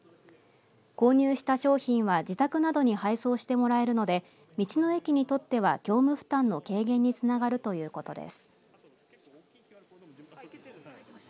購入した商品は自宅などに配送してもらえるので道の駅にとっては業務負担の軽減につながるということです。